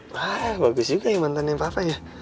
wah bagus juga ya mantannya papanya